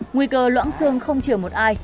nguy cơ loãng xương không trừ một ai